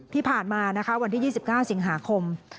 ที่ผ่านมานะคะวันที่๒๙สิงหาคม